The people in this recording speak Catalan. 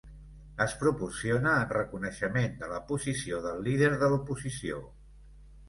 Es proporciona en reconeixement de la posició del líder de l'oposició.